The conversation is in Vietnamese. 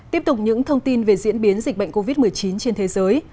tiếp tục những thông tin về diễn biến dịch bệnh covid một mươi chín trên thế giới